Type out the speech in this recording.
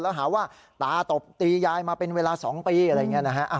แล้วหาว่าตาตบตียายมาเป็นเวลา๒ปีอะไรอย่างนี้นะฮะ